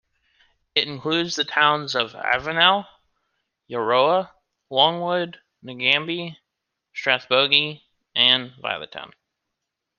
It includes the towns of Avenel, Euroa, Longwood, Nagambie, Strathbogie and Violet Town.